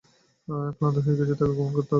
ক্লান্ত হয়ে গেছি তাকে গোপন করতে করতে।